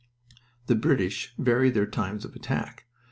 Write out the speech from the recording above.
The British varied their times of attack.